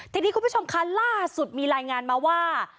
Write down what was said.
ทีนี้คุณผู้ชมคะล่าสุดมีรายงานมาว่า